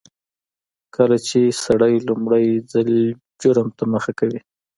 کله چې سړی لومړي ځل جرم ته مخه کوي.